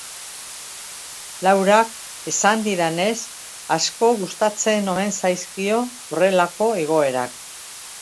Laurak esan didanez asko gustatzen omen zaizkio horrelako igoerak.